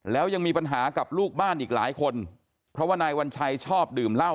แล้วยังมีปัญหากับลูกบ้านอีกหลายคนเพราะว่านายวัญชัยชอบดื่มเหล้า